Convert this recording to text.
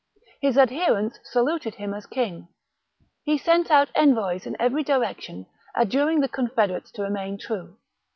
His adherents saluted him as king. He sent out envoys in every direction, adjuring the con federates to remain true.